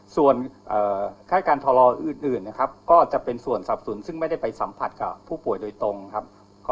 ส่วนค่ายการทออื่นนะครับก็จะเป็นส่วนสับสนซึ่งไม่ได้ไปสัมผัสกับผู้ป่วยโดยตรงครับ